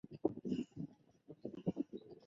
第三世土观活佛。